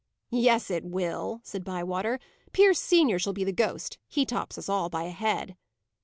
"Yes, it will," said Bywater. "Pierce senior shall be the ghost: he tops us all by a head."